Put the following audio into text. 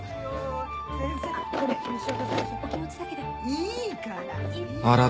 いいから！